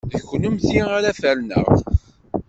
D kennemti ara ferneɣ!